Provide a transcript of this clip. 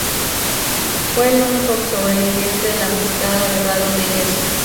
Fue el único sobreviviente de la emboscada de Vado de Yeso.